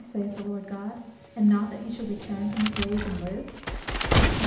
saith the Lord God; and not that he should return from his ways, and live?"